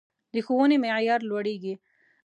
د ښوونې معیار لوړیږي